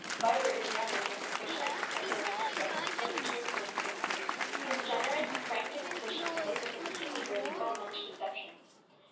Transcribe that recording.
"Vibert is young and unsuspicious," observed Mr. Trevor, as he turned from the window; "his generous, frank disposition lays him peculiarly open to deception.